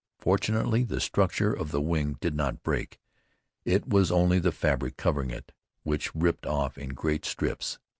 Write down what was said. Fortunately, the structure of the wing did not break. It was only the fabric covering it, which ripped off in great strips.